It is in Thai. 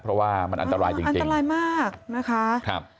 เพราะว่ามันอันตรายจริงอันตรายมากนะคะครับ